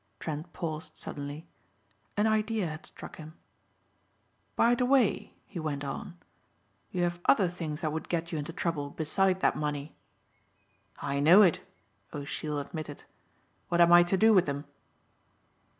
Trent paused suddenly. An idea had struck him. "By the way," he went on, "you have other things that would get you into trouble beside that money." "I know it," O'Sheill admitted. "What am I to do with them?"